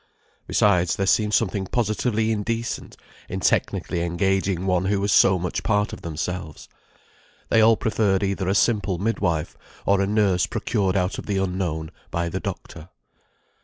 Besides, there seemed something positively indecent in technically engaging one who was so much part of themselves. They all preferred either a simple mid wife, or a nurse procured out of the unknown by the doctor.